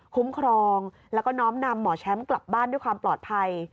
คุ้มครองแล้วก็น้อมนำหมอแชมป์กลับบ้านด้วยความปลอดภัย